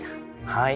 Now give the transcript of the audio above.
はい。